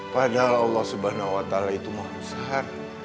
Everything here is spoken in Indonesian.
padahal allah subhanahu wa ta'ala itu mahushar